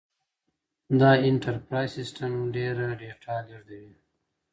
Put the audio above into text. دا انټرپرایز سیسټم ډېره ډیټا لېږدوي.